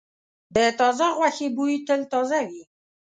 د تازه غوښې بوی تل تازه وي.